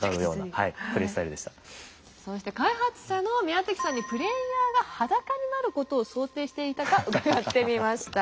そして開発者の宮崎さんにプレイヤーが裸になることを想定していたか伺ってみました。